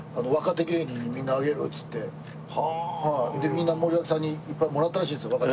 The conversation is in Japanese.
みんな森脇さんにいっぱいもらったらしいんですよ。